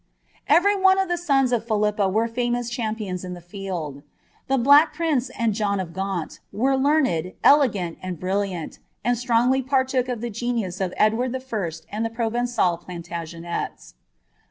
Every one of the sons of Philippa were famous champions in the Id. The Black Prince and John of Gaunt, were learned, elegant, and illiant, and strongly partook of the genius of Edward L and the Pro of ml Plantagenets.